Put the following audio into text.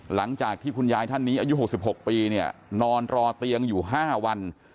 หลังจากที่คุณยายท่านนี้อายุ๖๖ปีเนี่ยนอนรอเตียงอยู่๕วัน